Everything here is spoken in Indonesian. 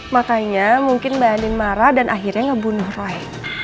makanya mungkin mbak andin marah dan akhirnya ngebunuh roy